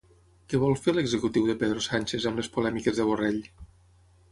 Què vol fer l'executiu de Pedro Sánchez amb les polèmiques de Borrell?